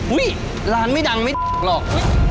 อุ๊ยร้านไม่ดังไม่หลอก